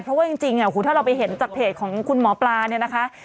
เพราะว่าจริงถ้าเราไปเห็นจากเพจของคุณหมอปลาเนี่ยนะคะ